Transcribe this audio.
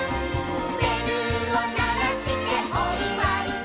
「べるをならしておいわいだ」